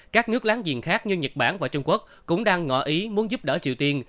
các nước láng giềng khác như nhật bản và trung quốc cũng đang ngọ ý muốn giúp đỡ triều tiên